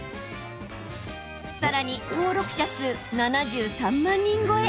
さらに登録者数７３万人超え。